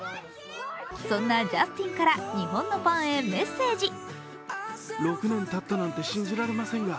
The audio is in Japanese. そんなジャスティンから日本のファンへメッセージ。